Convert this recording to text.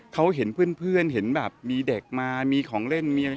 เขาเห็นเพื่อนเห็นแบบมีเด็กมามีของเล่นมีอะไร